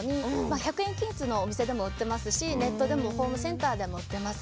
１００円均一のお店でも売ってますしネットでもホームセンターでも売ってます。